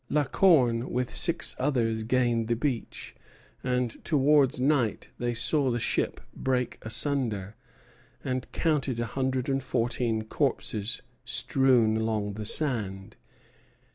La Corne with six others gained the beach; and towards night they saw the ship break asunder, and counted a hundred and fourteen corpses strewn along the sand.